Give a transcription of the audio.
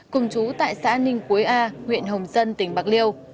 cùng chú tại xã ninh quế a huyện hồng dân tỉnh bạc liêu